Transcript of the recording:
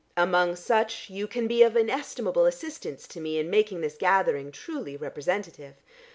Among such you can be of inestimable assistance to me in making this gathering truly representative.